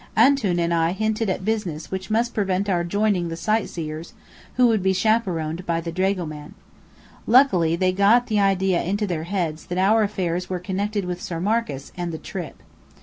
"Antoun" and I hinted at business which must prevent our joining the sightseers, who would be chaperoned by the dragoman. Luckily, they got the idea into their heads that our affairs were connected with Sir Marcus, and the "trip."